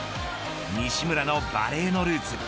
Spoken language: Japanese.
西村のバレーのルーツ。